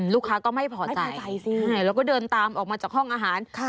ลูกค้าก็ไม่พอใจสิแล้วก็เดินตามออกมาจากห้องอาหาร